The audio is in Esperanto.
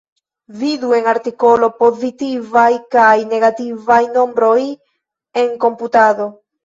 Vidu en artikolo pozitivaj kaj negativaj nombroj en komputado.